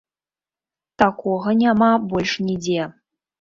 Такога няма больш нідзе.